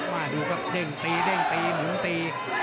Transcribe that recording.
มาดูครับเด้งตีเด้งตีหมุนตี